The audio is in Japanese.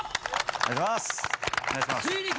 お願いします。